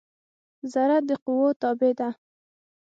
ذره د قوؤ تابع ده.